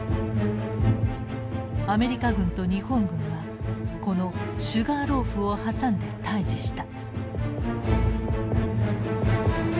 アメリカ軍と日本軍はこのシュガーローフを挟んで対峙した。